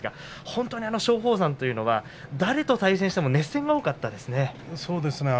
本当に松鳳山というのは誰と対戦しても熱戦が多かったですね。